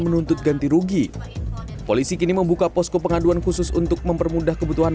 menuntut ganti rugi polisi kini membuka posko pengaduan khusus untuk mempermudah kebutuhan